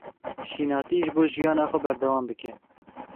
Şînatî, ji bo jiyana xwe berdewam bike.